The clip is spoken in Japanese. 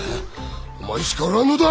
お前しかおらんのだ！